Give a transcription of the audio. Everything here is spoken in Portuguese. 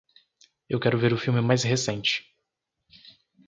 Eu quero ver o filme mais recente.